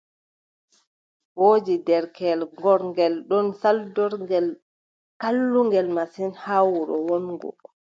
Woodi derkeyel gorngel ɗon, saldorngel, kallungel masin haa wuro wonngo.